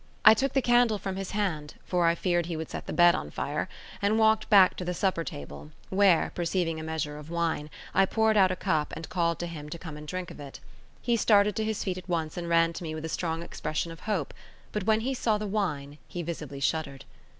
I took the candle from his hand (for I feared he would set the bed on fire) and walked back to the supper table, where, perceiving a measure of wine, I poured out a cup and called to him to come and drink of it. He started to his feet at once and ran to me with a strong expression of hope; but when he saw the wine, he visibly shuddered.